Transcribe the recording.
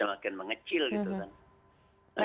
semakin mengecil gitu kan